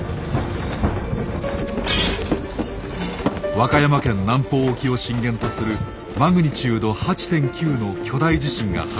和歌山県南方沖を震源とするＭ８．９の巨大地震が発生。